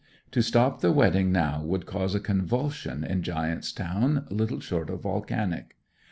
To stop the wedding now would cause a convulsion in Giant's Town little short of volcanic.